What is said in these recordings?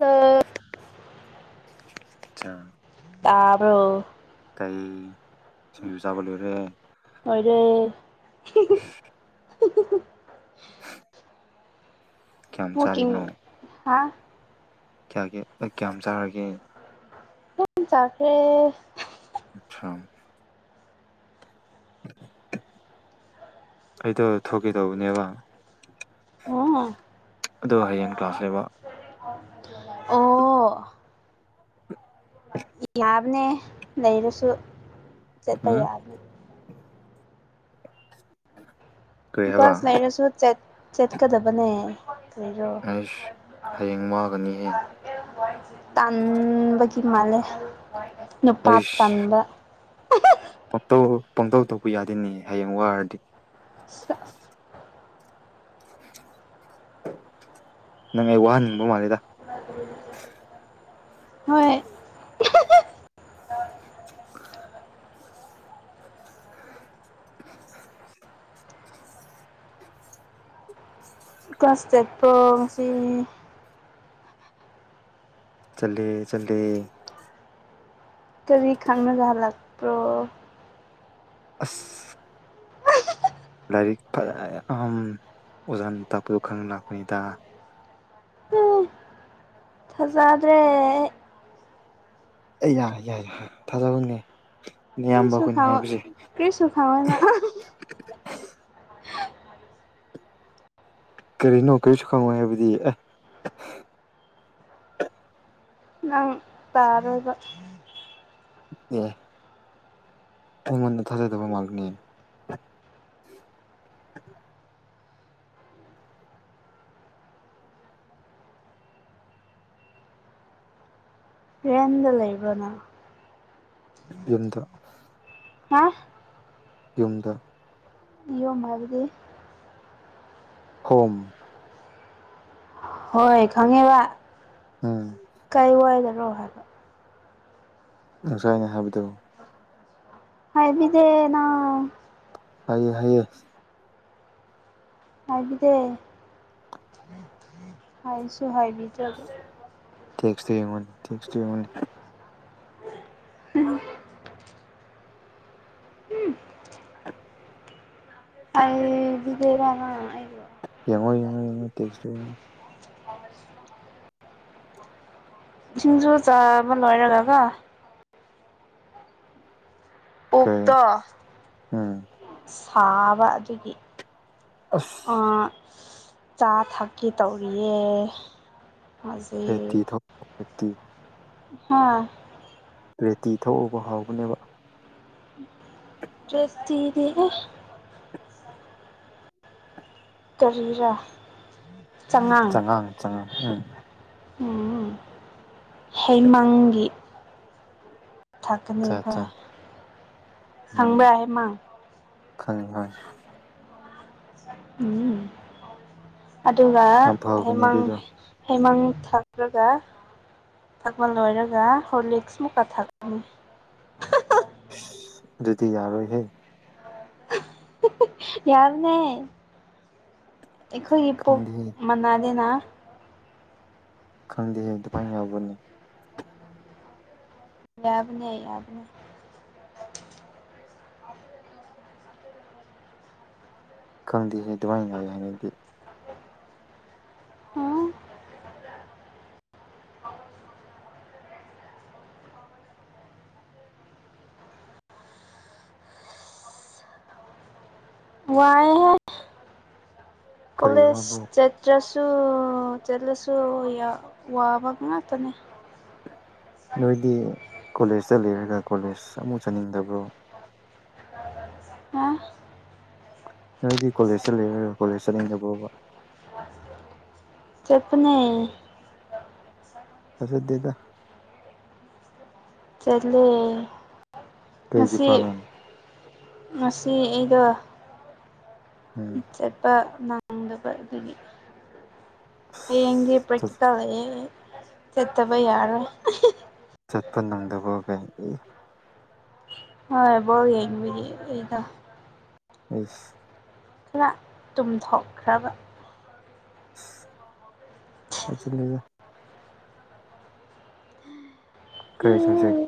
ꯑ ꯑꯆꯥ ꯇꯥꯔꯣ ꯀꯩ ꯁꯤꯡꯖꯨ ꯆꯥꯕ ꯂꯣꯏꯔꯦ ꯑꯣꯏꯣꯏꯗ [inaudible] [unintelligible] ꯍ ꯍꯀꯤ ꯍꯥ ꯀꯌꯥꯒꯤ ꯑꯩ ꯀꯌꯥꯝ ꯆꯥꯔꯒꯦ ꯀꯝ ꯆꯈ꯭ꯔꯦ ꯑꯆꯥꯥ ꯑꯩꯗꯣ ꯊꯣꯛꯀꯦ ꯇꯧꯕꯅꯦꯕ ꯎꯝ ꯑꯗꯨꯣ ꯍꯌꯦꯡ ꯀ꯭ꯂꯥꯁ ꯂꯩꯕ ꯑꯣ ꯌꯥꯕꯅꯦ ꯂꯩꯔꯁꯨ ꯆꯠꯄ ꯎꯝ ꯌꯥꯕꯅꯤ [unintelligible] ꯍꯥꯏꯕ ꯀ꯭ꯂꯥꯁ ꯂꯩꯔꯁꯨ ꯆꯠꯀꯗꯕꯅꯦ ꯀꯔꯤꯔꯣ ꯑꯩꯁ ꯍꯌꯦꯡ ꯃꯥꯒꯅꯤ ꯍꯌꯦꯡ ꯇꯥꯟꯕꯅꯕꯒꯤ ꯃꯥꯂꯦ ꯅꯨꯄꯥ ꯇꯟꯕ ꯄꯣꯟꯇꯧ ꯄꯣꯟꯇꯧ ꯇꯧꯕ ꯌꯥꯗꯦꯅꯦ ꯍꯌꯦꯡ ꯋꯥꯔꯗꯤ ꯁꯁ ꯅꯪ ꯑꯩ ꯋꯥꯍꯟꯅꯤꯡꯕ ꯃꯥꯜꯂꯤꯦꯗ [unintelligible] ꯍꯣꯏ [unintelligible] ꯀ꯭ꯂꯥꯁ ꯇꯦꯠꯄ ꯉꯁꯤ ꯆꯜꯦ ꯆꯜꯦ ꯀꯔꯤ ꯈꯪꯅꯖꯍꯜꯂꯛꯄ꯭ꯔꯣ ꯑꯁ ꯂꯥꯏꯔꯤꯛ ꯐꯌꯥꯝ ꯑꯣꯖꯥꯟ ꯇꯥꯛꯄꯤꯌꯣ ꯈꯪ ꯂꯥꯛꯄꯅꯤꯗ ꯐꯖꯗ꯭ꯔꯦ ꯑꯩ ꯌꯥꯔꯦ ꯌꯥꯏꯌꯦꯦ ꯌꯥ ꯊꯥꯖꯕꯅꯦ ꯅꯌꯥꯝꯕ ꯀꯁꯨ ꯑꯩꯈꯣꯏꯅ ꯈ ꯍꯥꯏꯕꯁꯦ ꯀꯁꯨꯁꯨ ꯈꯥꯎꯅ ꯀꯔꯤꯅꯣ ꯀꯩꯁꯨ ꯈꯪꯉꯣꯏ ꯍꯥꯏꯕꯗꯤ ꯑꯦ ꯅꯪ ꯇꯥꯔꯒ ꯑꯦ ꯑꯩꯃꯣꯟꯗ ꯊꯥꯖꯥꯏꯗꯕ ꯃꯥꯜꯅꯤ ꯔ꯭ꯔꯦꯟꯗ ꯂꯩꯕꯅ ꯌꯨꯝꯗ ꯍꯥ ꯌꯨꯝꯗ ꯏꯣ ꯃꯥꯗꯤ ꯍꯣ ꯍꯣꯏ ꯈꯪꯉꯦꯕ ꯎꯝ ꯀꯥꯏ ꯋꯥꯏꯗꯅꯣ ꯍꯥꯏꯕ ꯉꯁꯥꯏꯅ ꯍꯥꯏꯕꯗꯣ ꯍꯥꯏꯕꯤꯗꯦꯅ ꯍꯥꯏꯌꯦ ꯍꯥꯏꯌꯦ ꯍꯥꯏꯕꯤꯗꯦ ꯍꯥꯏꯁꯨ ꯍꯥꯏꯕꯤꯗ꯭ꯔꯒꯦ [inaudible] ꯊꯦꯛꯁꯇ ꯌꯦꯡꯉꯨꯅꯤ ꯊꯦꯛꯁꯨꯇ ꯌꯦꯡꯉꯨꯅꯤ ꯑꯩꯕꯤꯗꯔꯃ ꯑꯩ [unintelligible] ꯌꯦꯡꯉꯣ ꯌꯦꯡꯉꯣ ꯌꯦꯡꯉꯣ ꯇꯦꯛꯁꯣ ꯌꯦꯡꯉꯣ ꯊꯤꯡꯁꯨꯣ ꯆꯕ ꯂꯣꯏꯔꯒꯒ ꯀꯩ ꯑꯣꯛꯇꯣ ꯎꯝ ꯁꯥꯕ ꯑꯗꯨꯒꯤ ꯑꯁ ꯆꯥ ꯊꯛꯀꯤ ꯇꯧꯔꯤꯌꯦ ꯔꯦꯇ ꯍꯧꯖꯤꯛ ꯊꯦꯇ [inaudible] [unintelligible] ꯍꯥꯥ ꯔꯦꯇꯤ ꯊꯧꯕ ꯍꯥꯎꯕꯅꯦꯕ ꯭ꯔꯁꯇꯤꯔꯤ ꯀꯔꯤꯔꯥ ꯆꯉꯥꯡ ꯆꯉꯥꯡ ꯎꯝ ꯎ ꯍꯦꯃꯥꯡꯒꯤ [inaudible] ꯊꯒꯅꯤ ꯑꯠꯆꯥ ꯑꯠꯆꯥ ꯐꯥꯏ ꯍꯪꯕ ꯎꯝ ꯍꯥꯏ ꯃꯥꯡ ꯈꯪꯉꯤ ꯍꯣꯏ ꯎꯝ ꯑꯗꯨꯒ ꯌꯥꯝ ꯐꯕꯅꯦ ꯍꯃꯥꯡ ꯑꯗꯨꯗꯣ ꯍꯩꯃꯥꯡ ꯊꯥꯔꯒ ꯊꯛꯄ ꯂꯣꯏꯔꯒ ꯍꯣꯔꯂꯤꯛꯁ ꯃꯨꯛꯀ ꯊꯛꯂꯝꯃꯤ ꯑꯁ ꯑꯗꯨꯗꯤ ꯌꯥꯔꯣꯏꯍꯦ ꯌꯥꯝꯅꯦ ꯑꯩꯈꯣꯏꯒꯤ ꯄꯨꯛ ꯈꯪꯗꯦꯍꯦ ꯃꯅꯥꯗꯅ ꯈꯪꯗ ꯍꯦ ꯗꯗꯨꯄꯥꯕꯅꯤ ꯌꯥꯕꯅꯦ ꯌꯥꯕꯅꯦ ꯈꯪꯗꯦꯍꯦ ꯑꯗꯨꯃꯥꯏꯅ ꯉꯥꯏ ꯍꯥꯏꯅꯗꯤ [inaudible] [unintelligible] [inaudible] ꯋꯥꯑ ꯍ ꯀꯔꯤ ꯀꯣꯂꯦꯖ ꯋꯥꯕ꯭ꯔꯣ ꯆꯠꯇ꯭ꯔꯁꯨ ꯆꯠꯂꯁꯨ ꯋꯥꯕ ꯉꯥꯛꯇꯅꯦ ꯅꯣꯏꯗꯤ ꯀꯣꯂꯦꯖꯇ ꯂꯩꯔꯒ ꯀꯣꯂꯦꯖ ꯑꯃꯨꯛ ꯆꯠꯅꯤꯡꯗꯕ꯭ꯔꯣ ꯍꯥ ꯅꯣꯏꯗꯤ ꯀꯣꯂꯦꯖ ꯆꯠꯂ ꯀꯣꯂꯦꯖ ꯆꯠꯅꯤꯡꯗꯕꯥꯎꯕ ꯆꯄꯅꯦ ꯊꯖꯗꯦꯗ ꯆꯠꯂꯦ ꯀꯩ ꯉꯁꯤ ꯗꯤꯄꯥꯔꯠꯃꯦꯟ ꯉꯁꯤ ꯑꯩꯒ ꯎꯝ [unintelligible] [inaudible] ꯆꯠꯄ ꯉꯪꯗꯕ ꯑꯗꯨꯒꯤ ꯍꯌꯦꯡꯗꯤ ꯄ꯭ꯔꯦꯛꯇꯤꯀꯦꯜ ꯂꯩꯌꯦ ꯆꯠꯇꯕ ꯌꯥꯔꯣꯏ ꯆꯠꯄ ꯅꯪꯗꯕꯒꯩ ꯍꯣꯏ ꯕꯣꯜ ꯌꯦꯕꯒꯤ ꯑꯩꯗꯣ ꯑꯁ ꯈꯔ ꯇꯨꯝꯊꯣꯛꯈ꯭ꯔꯕ ꯑꯁ ꯍꯥꯏꯖꯤꯜꯂꯦꯗꯥ ꯀꯩ ꯁꯕꯖꯦꯛ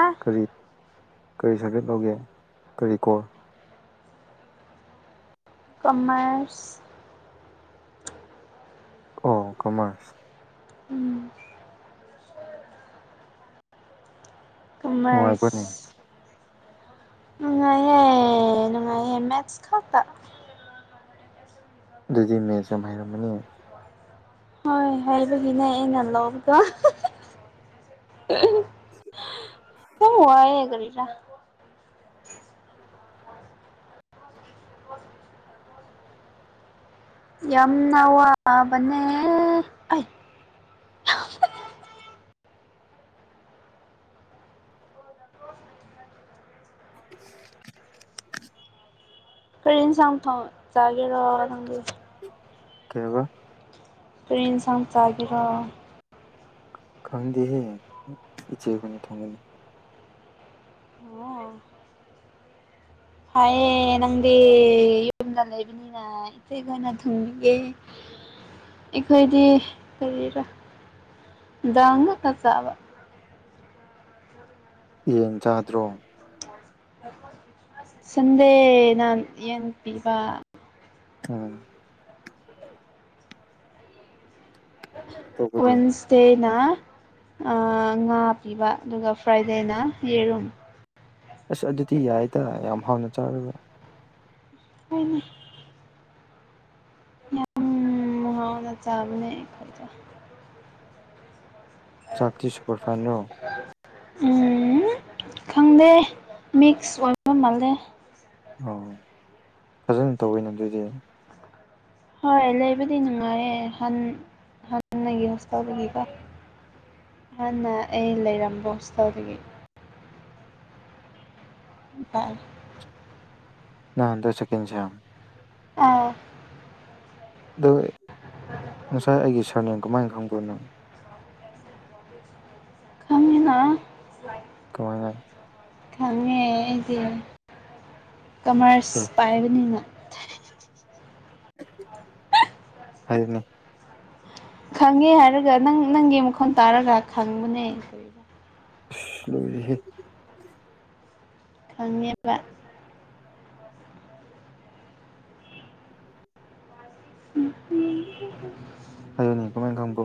ꯑ ꯀꯔꯤ ꯀꯔꯤ ꯁꯥꯏꯐꯦꯠ ꯂꯧꯒꯦ ꯀꯔꯤ ꯀꯣ ꯀꯃꯔꯁ [inaudible] [unintelligible] ꯑꯣ ꯀꯃꯔꯁ ꯎꯝ ꯅꯨꯡꯉꯥꯏꯕ꯭ꯔꯅꯦ ꯀꯃꯥꯏꯁ ꯅꯨꯡꯉꯥꯏꯌꯦꯦ ꯅꯨꯡꯉꯥꯏꯌꯦꯦ ꯃꯦꯁ ꯈꯠꯇ ꯑꯗꯨꯗꯤ ꯃꯦꯠꯁ ꯌꯥꯝ ꯍꯥꯏꯩꯔꯝꯃꯅꯤ ꯍꯣꯏ ꯍꯥꯏꯕꯒꯤꯅꯦ ꯑꯩꯅ ꯂꯧꯕꯗꯣ ꯎ [unintelligible] ꯍ ꯑ ꯋꯥꯌꯦ ꯀꯔꯤꯔ ꯌꯥꯝꯅꯥꯋꯥ ꯅꯦꯦ ꯑ [unintelligible] [inaudible] [unintelligible] ꯀꯅ ꯁꯪ ꯊ ꯒꯦ ꯔꯣꯑꯣꯒꯦ [inaudible] ꯀꯦꯕ ꯇ꯭ꯔꯔꯤꯦꯟꯁꯥꯡ ꯆꯒꯤꯔꯣ ꯈꯪꯗꯦꯍꯦ ꯎꯆꯦꯛ ꯑꯣꯏꯅ ꯊꯣꯡꯒꯅꯤ ꯑꯣ ꯍꯌꯦ ꯅꯪꯗꯤ ꯌꯝꯗꯥ ꯂꯩꯕꯅꯤꯅ ꯏꯁꯩ ꯀꯅ ꯊꯨꯡꯕꯤꯒꯦ ꯑꯩꯈꯣꯏꯗꯤ ꯀꯔꯤꯔꯣ ꯗꯥꯡ ꯉꯥꯛꯛꯇ ꯆꯥꯕ ꯌꯦꯟ ꯆꯥꯗ꯭ꯔꯣ ꯁꯗꯦ ꯅꯥꯟ ꯌꯦꯟ ꯄꯤꯕ ꯍꯝ ꯑꯇꯣꯞꯄꯗꯤ ꯋꯦꯟꯁ ꯇꯩꯅ ꯉꯥ ꯄꯤꯕ ꯑꯗꯨꯒ ꯐ꯭ꯔꯥꯏꯗꯦꯅ ꯌꯦꯔꯨꯝ ꯑꯁ ꯑꯗꯨꯗꯤ ꯌꯥꯏꯗ ꯌꯥꯝ ꯍꯥꯎꯅ ꯆꯥꯔꯤꯕ ꯍꯣꯏꯅꯦ ꯃꯨꯍꯥꯎꯅ ꯆꯥꯕꯅꯦ ꯆꯥꯛꯇꯤ ꯁꯨꯄꯔ ꯐꯥꯏꯟ꯭ꯔꯣ ꯎꯝ ꯈꯪꯗꯦ ꯃꯤꯛꯁ ꯑꯣꯏꯕ ꯃꯥꯜꯂꯦ ꯑꯣ ꯐꯖꯅ ꯇꯧꯋꯤꯅ ꯑꯗꯨꯗꯤ ꯍꯣꯏ ꯂꯩꯕꯗꯤ ꯅꯨꯡꯉꯥꯏꯔꯦ ꯍꯟ ꯍꯥꯟꯅꯒꯤ ꯍꯣꯁꯀꯜꯗꯒꯤꯀꯣ ꯍꯍꯥꯟꯅ ꯑꯩ ꯂꯩꯔꯝꯕ ꯍꯣꯁꯄꯤꯇꯥꯜꯗꯒꯤ ꯇ ꯅꯗꯣ ꯆꯀꯤꯁꯤꯌꯥꯝ ꯑꯥ [unintelligible] [inaudible] ꯑ ꯉꯁꯥꯏ ꯑꯩꯒꯤ ꯁꯥꯔꯅꯦ ꯀꯃꯥꯏꯅ ꯈꯪꯕ꯭ꯔꯣꯅꯣ ꯄ ꯀꯥꯃꯤ ꯀꯃꯥꯏꯅ ꯈꯪꯉꯦ ꯑꯩꯁꯦ ꯀꯃꯔꯁ ꯑꯦ ꯄꯥꯏꯕꯅꯤꯅ ꯍꯥꯏꯅ [inaudible] ꯈꯪꯉꯦ ꯍꯥꯏꯔꯒ ꯅꯪ ꯅꯪꯒꯤ ꯃꯈꯣꯟ ꯇꯥꯔꯒ ꯈꯪꯕꯅꯦ ꯏꯁ ꯂꯣꯏꯔꯦꯍꯦ ꯈꯪꯉꯕ ꯎꯝ ꯎꯝ [unintelligible] ꯍꯥꯏꯣꯅꯤ ꯀꯃꯥꯏ ꯈꯪꯕꯣ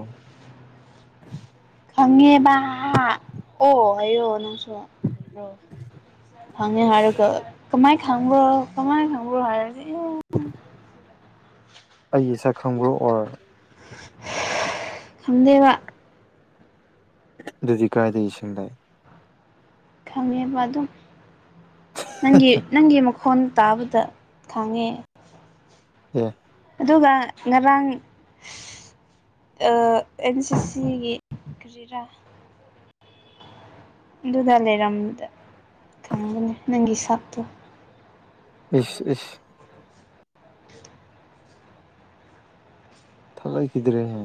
ꯈꯪꯉꯦꯕ ꯑꯣ ꯍꯥꯏꯑꯣ ꯅꯡꯁꯨ ꯈꯪꯉꯦ ꯍꯥꯏꯔꯒ ꯀꯃꯥꯏ ꯈꯪꯕ꯭ꯔꯣ ꯀꯃꯥꯏ ꯈꯪꯕ꯭ꯔ ꯍꯥꯏꯔꯗꯤ ꯑꯩ ꯁꯛ ꯈꯪꯕ꯭ꯔꯣ ꯑꯣꯔ ꯈꯝꯗꯦꯕ ꯙꯗꯨꯙꯀꯑ ꯩꯁꯏ ꯈꯪꯉꯦꯕ ꯑꯗꯨꯝ ꯅꯪꯒꯤ ꯅꯪꯒꯤ ꯍꯣꯟ ꯇꯥꯕꯗ ꯈꯥꯡꯉꯦ ꯎꯝ ꯑꯗꯨꯒ ꯉꯔꯥꯡ ꯑ ꯑꯦꯟ ꯁꯤꯁꯤꯒꯤ ꯀꯔꯤꯔꯥ [unintelligible] [inaudible] ꯑꯗꯨꯗ ꯂꯩꯔꯝꯗ ꯈꯪꯒꯅꯤ ꯅꯪꯒꯤ ꯁꯛꯇꯣ ꯏꯁ ꯏꯁ ꯊꯂꯥꯏ ꯀꯗ꯭ꯔꯦ ꯍꯦ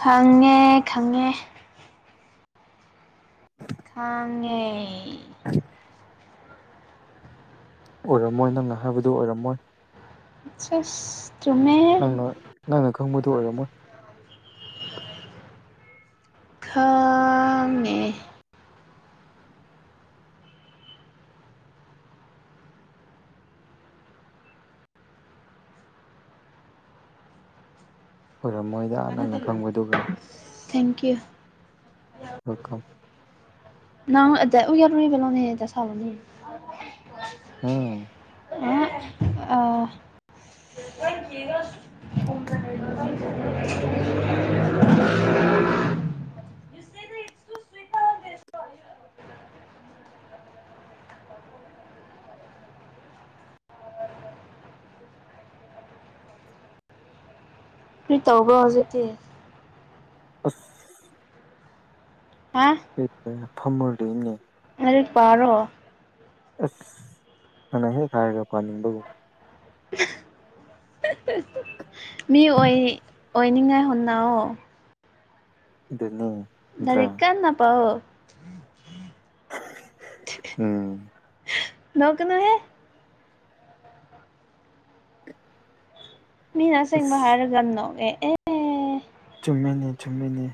ꯈꯪꯉꯦ ꯈꯪꯉꯦ [unintelligible] ꯈꯉꯦ [inaudible] [unintelligible] ꯑ [unintelligible] [inaudible] ꯑꯣꯏꯔꯝꯃꯣꯏ ꯅꯪꯅ ꯍꯥꯏꯕꯗꯨ ꯑꯣꯏꯔꯝꯃꯣꯏ ꯑꯁ ꯆꯨꯝꯃꯦ ꯅꯪꯅ ꯅꯪꯅ ꯈꯪꯕꯗꯨꯣ ꯑꯣꯏꯔꯝꯃꯣꯏ ꯈꯃꯦ ꯑꯣꯏꯔꯝꯃꯣꯏꯗ ꯍꯥꯟ ꯍꯟꯅ ꯈꯪꯕꯗꯨꯒ ꯊꯦꯡꯀꯤ꯭ꯌꯨ ꯑꯣꯀ ꯅꯗ ꯎ ꯌꯥꯔꯣꯅꯤ ꯄꯂꯂꯝꯅꯦꯗ ꯍꯕꯅꯤ ꯎꯝ ꯑ ꯑ [unintelligible] ꯀꯔꯤ ꯇꯧꯕ꯭ꯔꯣ ꯍꯧꯖꯤꯛꯇꯤ ꯑꯐ ꯍꯥ ꯐꯝꯃꯣꯔꯗꯤꯅꯦ ꯑ ꯔꯣ [unintelligible] [inaudible] ꯑꯅ ꯍꯦ ꯈꯑꯒ ꯄꯅꯤꯒ [unintelligible] [inaudible] ꯃꯤ ꯑꯣꯏ ꯑꯣꯏꯅꯤꯡꯉꯥꯏ ꯍꯨꯟꯅꯑꯣ [inaudible] ꯑꯗꯨꯅꯤ ꯅꯠꯇ꯭ꯔꯥ ꯔꯀꯥꯟꯟꯅ ꯄꯥꯎꯑꯣ ꯎꯝ [unintelligible] [inaudible] ꯅꯣꯀꯅꯣꯍꯦ ꯃꯤꯅ ꯑꯁꯦꯡꯕ ꯑꯁ ꯍꯥꯏꯔꯒꯥꯟꯅꯣꯒꯦ ꯑꯦ ꯆꯨꯝꯃꯤꯅꯦ ꯆꯨꯝꯃꯤꯅꯦ꯫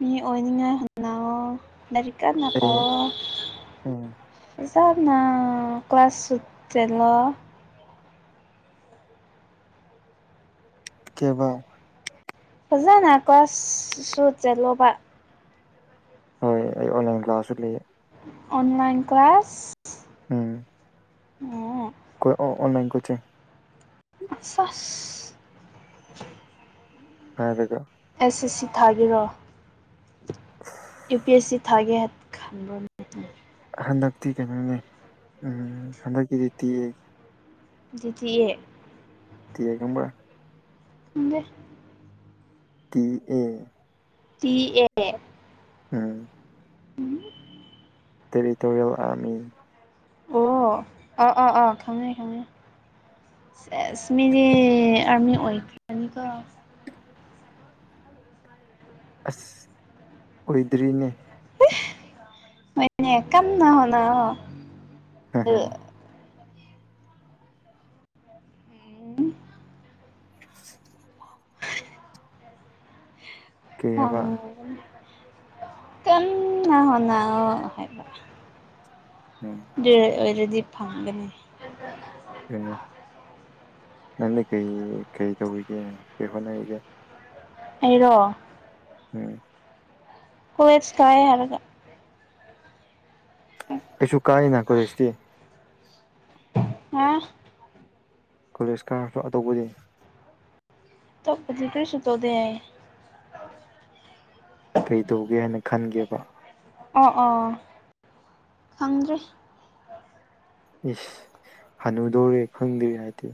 ꯃꯤ ꯑꯣꯏꯅꯤꯡꯉꯥꯏꯅꯥꯑꯣ ꯂꯥꯏꯔꯤꯛ ꯀꯅ ꯑꯩ ꯄꯥꯑꯣ ꯎꯝ ꯐꯖꯅꯥ ꯀ꯭ꯂꯥꯁ ꯁꯨꯆꯇꯂꯣ ꯀꯩꯑꯕꯥ ꯐꯖꯥꯅ ꯀꯥ꯭ꯂꯁꯨ ꯆꯠꯂꯣꯕꯥ ꯍꯣꯏ ꯑꯩ ꯑꯣꯟꯂꯥꯏꯟ ꯀ꯭ꯂꯥꯁꯁꯨ ꯂꯩꯌꯦ꯫ ꯑꯣꯟꯂꯥꯏꯟ ꯀ꯭ꯂꯥꯁ ꯎꯝ [unintelligible] ꯑꯣꯟꯂꯥꯏꯟ ꯀꯣꯆꯤꯡ [inaudible] [unintelligible] ꯑꯦꯁ S C ꯊꯥꯕꯤꯔꯣꯑꯣ꯫ [inaudible] U P S C ꯊꯥꯒꯦ ꯈꯟꯕꯔꯣ ꯅꯪ ꯍꯟꯗꯛꯇꯤ ꯀꯩꯅꯣꯅꯦ ꯎꯝ ꯍꯟꯗꯛꯀꯤꯗꯤ ꯇꯤꯌꯦ꯫ ꯑꯗꯨꯗꯤ ꯇꯤꯌꯦ ꯀꯝꯕ꯭ꯔ [unintelligible] ꯇ ꯑ T A um territorial army. ꯑꯣ ꯑꯥ ꯑꯥ ꯑꯥ ꯈꯉꯦ ꯈꯉꯦ꯫ ꯁꯤꯑꯁ ꯃꯤꯗꯤ ꯑꯔꯃꯤ ꯑꯣꯏꯅꯤꯀꯣ ꯑꯁ ꯑꯣꯏꯗ꯭ꯔꯤꯅꯦ꯫ ꯍꯣꯏꯅꯦ ꯀꯟꯅꯥ ꯍꯣꯠꯅꯥꯑꯣ ꯫ ꯎꯝ [inaudible] ꯀꯩ ꯍ ꯍꯥꯏꯕ ꯀꯟꯅ ꯍꯣꯠꯅꯑꯣ ꯍꯥꯏꯕ ꯎꯝ ꯑꯗꯨꯑꯣꯏꯔꯗꯤ ꯐꯪꯒꯅꯤ꯫ ꯑꯗꯨꯅꯤ ꯅꯪꯅ ꯀꯩ ꯀꯩ ꯇꯧꯔꯤꯒꯦ ꯀꯩ ꯍꯣꯠꯅꯔꯤꯒꯦ꯫ ꯑꯩꯔꯣ ꯎꯝ ꯍꯣꯌꯦ ꯁꯥꯏ ꯍꯥꯏꯒ ꯑꯩꯁꯨ ꯀꯥꯏꯅ ꯀꯣꯂꯦꯁꯇꯤ꯫ ꯍꯥ ꯀꯣꯂꯦꯖ ꯀꯥꯔꯁꯨ ꯑꯇꯣꯞꯗꯤ ꯇꯄꯗꯤ ꯀꯔꯤꯁꯨꯇꯧꯗꯦ ꯫ ꯀꯩ ꯇꯧꯒꯦ ꯍꯥꯏꯅ ꯈꯟꯒꯦꯕ ꯑꯣ ꯑꯣ ꯈꯪꯗ꯭ꯔꯦ꯫ ꯏꯁ ꯍꯅꯨꯗꯧꯔꯦ ꯈꯪꯗꯦ ꯍꯥꯏꯗꯤ꯫